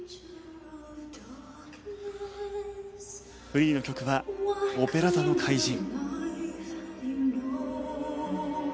フリーの曲は『オペラ座の怪人』。